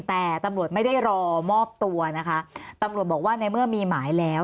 แต่ตำรวจไม่ได้รอมอบตัวนะคะตำรวจบอกว่าในเมื่อมีหมายแล้ว